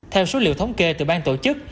theo số liệu thống kê từ ban tổ chức